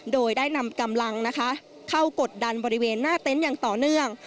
โดยได้นำกำลังนะคะเข้ากดดันบริเวณหน้าเต็นต์อย่างต่อเนื่อง